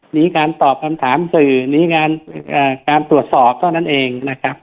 มีการตอบคำถามสื่อมีการตรวจสอบเท่านั้นเองนะครับ